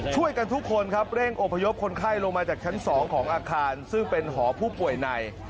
ช่วยกันทุกคนครับเร่งอพยพคนไข้ลงมาจากชั้น๒ของอาคารซึ่งเป็นหอผู้ป่วยใน